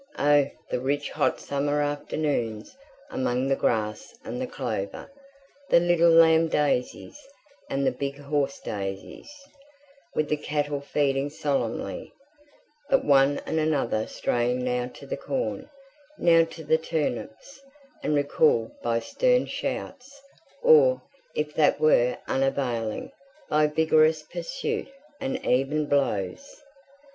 Oh! the rich hot summer afternoons among the grass and the clover, the little lamb daisies, and the big horse daisies, with the cattle feeding solemnly, but one and another straying now to the corn, now to the turnips, and recalled by stern shouts, or, if that were unavailing, by vigorous pursuit and even blows!